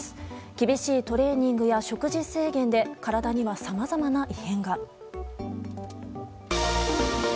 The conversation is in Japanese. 厳しいトレーニングや食事制限で、体にはさまざまな異変が。